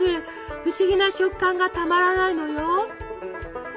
不思議な食感がたまらないのよ。